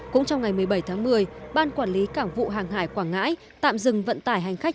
cũng trong ngày một mươi bảy tháng một mươi ban quản lý cảng vụ hàng hải quảng ngãi tạm dừng vận tải hành khách